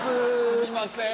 すみません。